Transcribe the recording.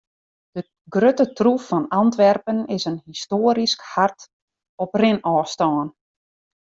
De grutte troef fan Antwerpen is in histoarysk hart op rinôfstân.